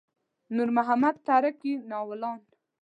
نور محمد تره کي ناولان.